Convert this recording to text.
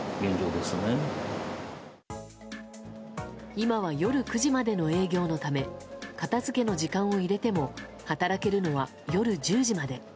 今は夜９時までの営業のため片付けの時間を入れても働けるのは夜１０時まで。